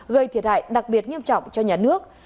gây thiệt hại đặc biệt nghiêm trọng cho nhà nước